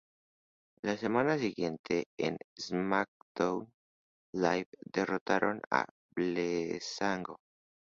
La semana siguiente en Smackdown Live derrotaron a Breezango.